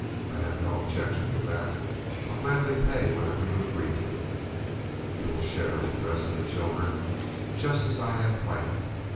I have no objection to that. I'll gladly pay whatever you agree to. You will share with the rest of the children, just as I had planned.